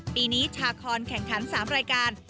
ปีนี้ชาคอนแข่งขัน๓รายการ